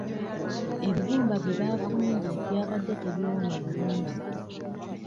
Ebibumba bye baafumbye byabadde tebiwooma bulungi.